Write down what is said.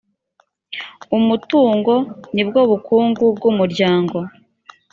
umutungo nibwobukungu bwumuryango.